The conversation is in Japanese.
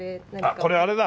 あっこれあれだ。